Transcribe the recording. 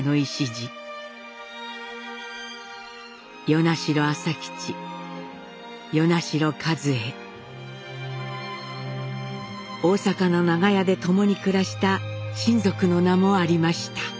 大阪の長屋で共に暮らした親族の名もありました。